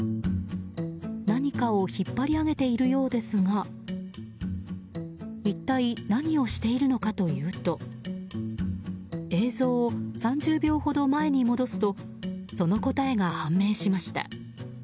何かを引っ張り上げているようですが一体、何をしているのかというと映像を３０秒ほど前に戻すとその答えが判明しました。